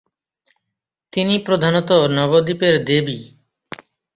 তিনি প্রধানত নবদ্বীপের দেবী।